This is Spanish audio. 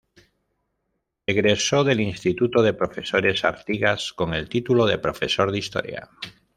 Egresó del Instituto de Profesores Artigas con el título de profesor de historia.